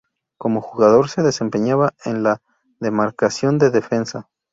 Como jugador se desempeñaba en la demarcación de defensa.